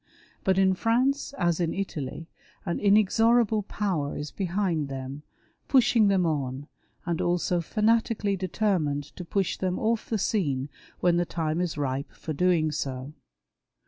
But in France, as in Italy, an inexorable power is behind them, pushing them on, and also fanatically determined to push them off the scene when the time is ripe for doing so.